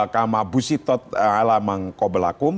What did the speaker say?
kamabusi tot ala mangkobelakum